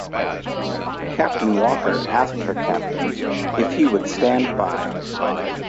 Captain Walker asked her Captain if he would stand by.